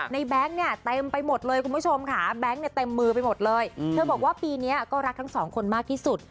แบงค์เนี่ยเต็มไปหมดเลยคุณผู้ชมค่ะแบงค์เนี่ยเต็มมือไปหมดเลยเธอบอกว่าปีนี้ก็รักทั้งสองคนมากที่สุด